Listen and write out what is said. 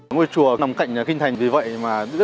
ngôi chùa nằm cạnh kinh thành vì vậy rất là nhiều các vua quan